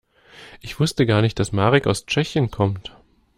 Ich wusste gar nicht, dass Marek aus Tschechien kommt.